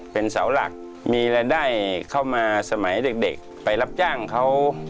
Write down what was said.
เป็นเสาหลักมีรายได้เข้ามาสมัยเด็กไปรับจ้างเขา